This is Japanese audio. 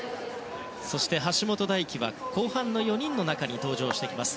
そして、橋本大輝は後半の４人の中に登場します。